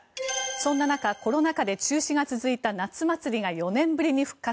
そんな中、コロナ禍で中止が続いた夏祭りが４年ぶりに復活。